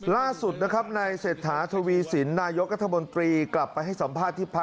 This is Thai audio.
ล่าสุดนะครับในเศรษฐธวีสินนายกรรธมนตรีกลับไปให้สัมภาษณ์ที่ประเทศ